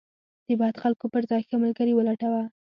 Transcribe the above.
د بد خلکو پر ځای ښه ملګري ولټوه.